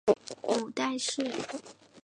母戴氏。